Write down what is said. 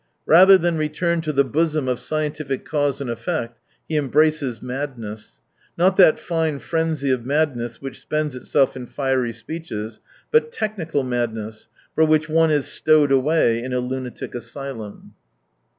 Rather than return to the bosom of scientific cause and effect, he embraces madness : not that fine frenzy of madness which spends itself in fiery speeches, but technical madness, for which one is stowed away in a lunatic asylum.